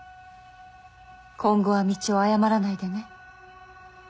今後は道を誤らないでね。